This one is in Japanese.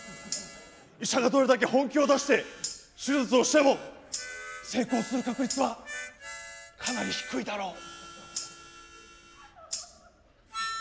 医者がどれだけ本気を出して手術しても成功する確率はかなり低いだろう。